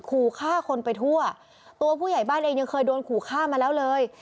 ขู่ฆ่าคนไปทั่วตัวผู้ใหญ่บ้านเองยังเคยโดนขู่ฆ่ามาแล้วเลย